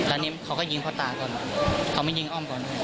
อันนี้เขาก็ยิงพ่อตาก่อนเขามายิงอ้อมก่อน